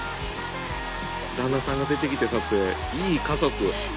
旦那さんが出てきて撮影いい家族。